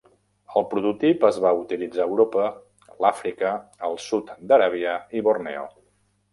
El prototip es va utilitzar a Europa, l'Àfrica, el sud d'Aràbia i Borneo.